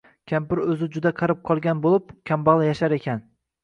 Kampir o‘zi juda qarib qolgan bo‘lib, kambag‘al yashar ekan.